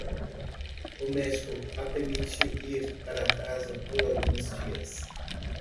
O médico a permitiu ir para casa por alguns dias.